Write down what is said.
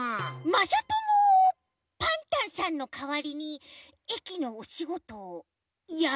まさともパンタンさんのかわりに駅のおしごとやる？